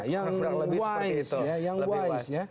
ya yang wise ya